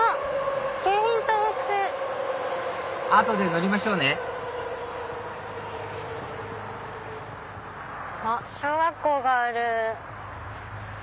後で乗りましょうね小学校がある。